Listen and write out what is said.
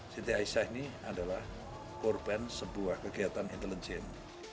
siti aisyah ini adalah korban sebuah kegiatan intelijen